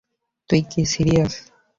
তুই কি সিরিয়াস?